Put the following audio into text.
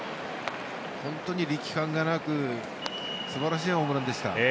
本当に力感がなく素晴らしいホームランでした。